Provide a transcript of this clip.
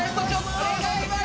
お願いします